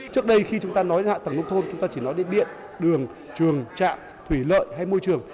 trước đây khi chúng ta nói hạ tầng nông thôn chúng ta chỉ nói đến điện đường trường trạm thủy lợi hay môi trường